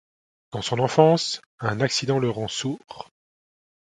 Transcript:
Dans son enfance, un accident le rend sourd.